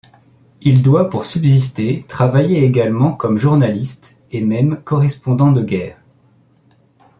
Il doit pour subsister travailler également comme journaliste et même correspondant de guerre.